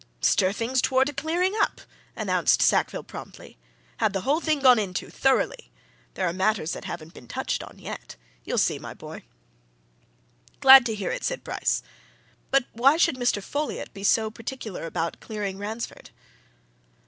"Stir things towards a clearing up," announced Sackville promptly. "Have the whole thing gone into thoroughly. There are matters that haven't been touched on, yet. You'll see, my boy!" "Glad to hear it," said Bryce. "But why should Mr. Folliot be so particular about clearing Ransford?"